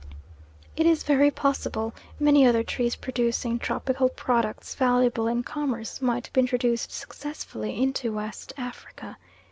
It is very possible many other trees producing tropical products valuable in commerce might be introduced successfully into West Africa.